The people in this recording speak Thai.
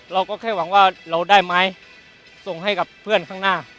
เราก็แค่หวังว่าเราได้ไหมส่งให้กับเพื่อนข้างหน้า